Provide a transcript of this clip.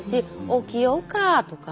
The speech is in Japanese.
「起きようか」